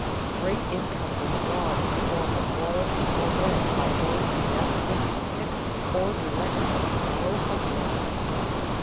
Great incomes are drawn in the form of royalty or rent by those who never lift a pick or direct a stroke of work.